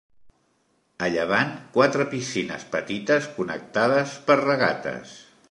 A llevant quatre piscines petites connectades per regates.